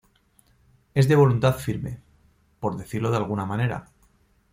es de voluntad firme. por decirlo de alguna manera.